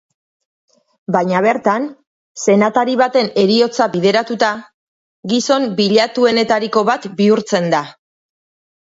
Baina bertan, senatari baten heriotza bideratuta, gizon bilatuenetariko bat bihurtzen da.